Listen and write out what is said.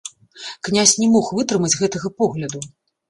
Князь не мог вытрымаць гэтага погляду.